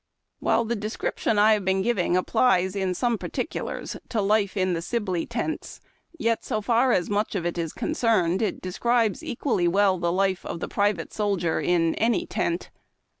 While the description I have been giving applies in some particulars to life in Sibley tents, yet, so far as much of it is concerned, it describes equally well the life of the private soldier in any tent.